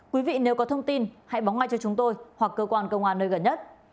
quý vị nếu có thông tin hãy báo ngay cho chúng tôi hoặc cơ quan công an nơi gần nhất